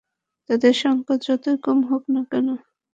তাদের সংখ্যা যতই কম হোক না কেন।